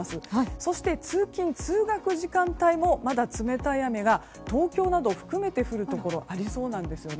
そして通勤・通学時間帯もまだ、冷たい雨が東京など含めて降るところがありそうなんですよね。